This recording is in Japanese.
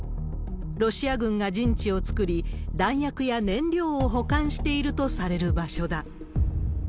ロシア軍が陣地を作り、弾薬や燃料を保管しているとされる場所だ。